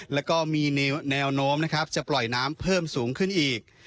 และมีแนวโน้มจะปล่อยน้ำเพิ่มสูงขึ้นอีก